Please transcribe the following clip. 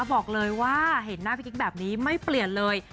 บอกเลยว่าเห็นหน้าพี่กิ๊กแบบนี้ไม่เปลี่ยนเลย